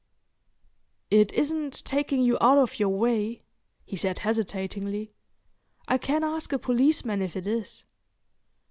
"It isn't taking you out of your way?" he said hesitatingly. "I can ask a policeman if it is."